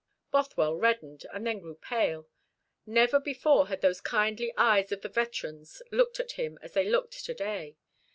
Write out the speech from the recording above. Bothwell reddened, and then grew pale. Never before had those kindly eyes of the veteran's looked at him as they looked to day.